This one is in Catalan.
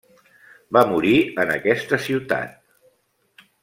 Va morir en aquesta ciutat.